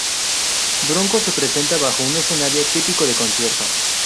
Bronco se presenta bajo un escenario típico de concierto.